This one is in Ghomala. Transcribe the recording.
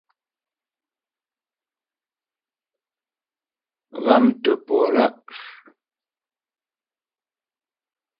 Ghámtə̀ po lá'.